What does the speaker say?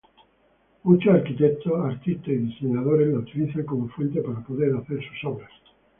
Muchos arquitectos, artistas y diseñadores la utilizan como fuente para poder hacer sus obras.